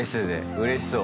うれしそう。